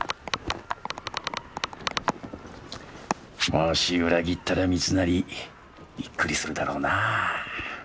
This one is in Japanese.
もし裏切ったら三成びっくりするだろうなあ。